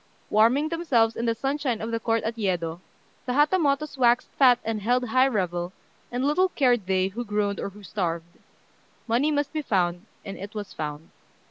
Warming themselves in the sunshine of the court at Yedo, the Hatamotos waxed fat and held high revel, and little cared they who groaned or who starved. Money must be found, and it was found.